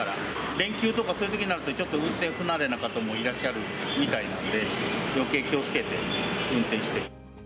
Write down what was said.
連休とかそういうときになると、ちょっと運転不慣れな方もいらっしゃるみたいなので、よけい気をつけて運転して。